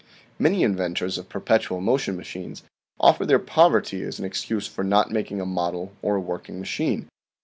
Many in ventors of perpetual motion machines offer their poverty as an excuse for not making a model or working machine.